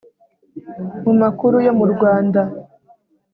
mu makuru yo mu rwanda